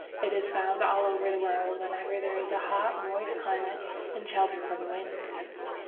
It is found all over the world wherever there is a hot, moist climate and shelter from wind.